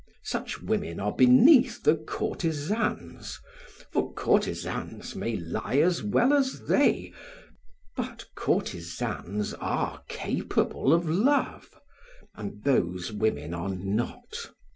Such women are beneath the courtesans, for courtesans may lie as well as they; but courtesans are capable of love and those women are not.